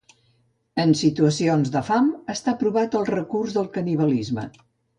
En situacions de fam està provat el recurs del canibalisme.